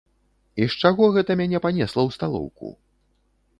І з чаго гэта мяне панесла ў сталоўку?